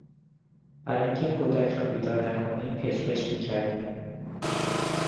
برای اینکه کودک را بیدار نکنیم پچ پچ میکردیم.